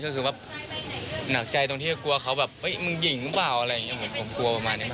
ก็คือว่าหนักใจตรงที่กลัวเขาแบบเฮ้ยมึงหญิงหรือเปล่าอะไรอย่างนี้ผมกลัวประมาณเนี้ยครับ